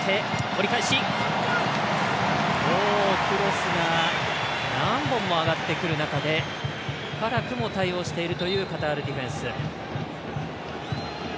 クロスが何本も上がってくる中で辛くも対応しているというカタールディフェンス。